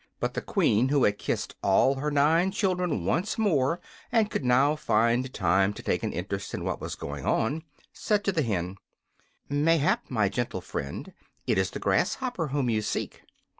But the Queen, who had kissed all her nine children once more and could now find time to take an interest in what was going on, said to the hen: "Mayhap, my gentle friend, it is the grasshopper whom you seek."